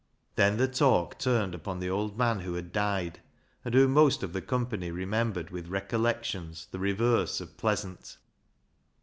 Then the talk turned upon the old man who had died, and whom most of the company remembered with recollections the reverse of pleasant.